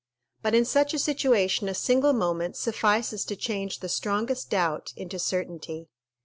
But in such a situation a single moment suffices to change the strongest doubt into certainty.